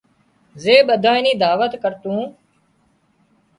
زي ٻڌانئي ني دعوت ڪرتون